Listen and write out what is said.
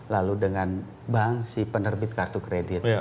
lalu dengan bank si penerbit kartu kredit